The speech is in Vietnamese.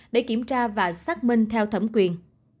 để kiểm tra và xác minh theo thẩm quyền